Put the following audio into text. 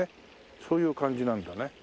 そういう感じなんだね。